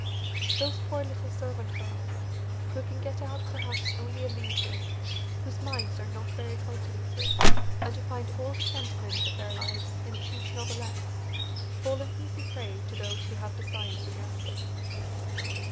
Those poor little servant girls, who can get out perhaps only in the evening, whose minds are not very cultivated, and who find all the sentiment of their lives in cheap novelettes, fall an easy prey to those who have designs against them.